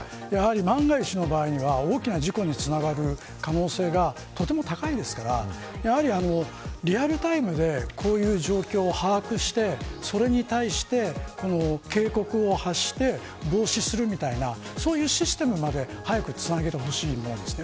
万が一の場合は大きな事故につながる可能性がとても高いのでやはり、リアルタイムでこういう状況を把握してそれに対して、警告を発して防止するみたいなそういうシステムまで早くつなげてほしいものです。